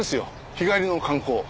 日帰りの観光。